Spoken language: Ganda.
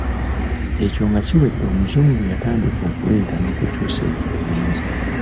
Ekyo nga kiwedde Omuzungu yatandika okuleeta n’okukyusa ebintu bingi.